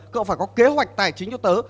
cậu phải có kế hoạch tài chính cho tớ